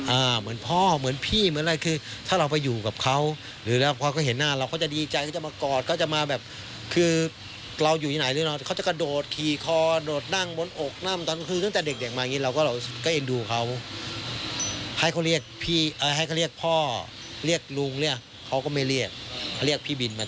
อาทิตย์นี้ต้องเจอกันมาหนึ่งหรือสองครั้ง